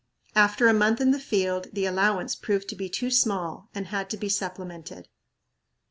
After a month in the field the allowance proved to be too small and had to be supplemented.